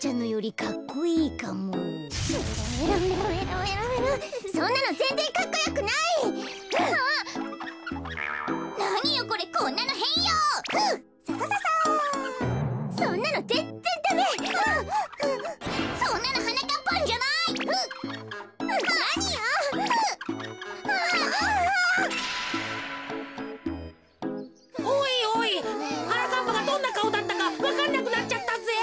おいおいはなかっぱがどんなかおだったかわかんなくなっちゃったぜ。